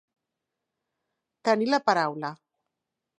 Tenir la paraula.